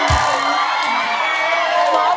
อัธิภัง